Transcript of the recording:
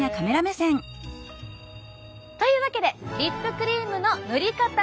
というわけでリップクリームの塗り方の極意。